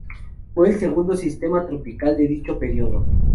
Fue el segundo sistema tropical de dicho período.